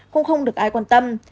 cũng không được ai quan tâm